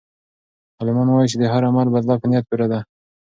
عالمان وایي چې د هر عمل بدله په نیت پورې ده.